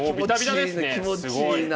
気持ちいい！